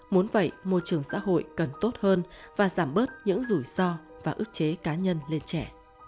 muốn vậy môi trường xã hội cần tốt hơn và giảm bớt những rủi ro và ước chế cá nhân lên trẻ